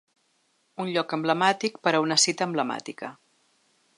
Un lloc emblemàtic per a una cita emblemàtica.